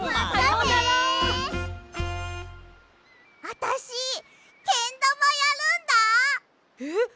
あたしけんだまやるんだ！えっ？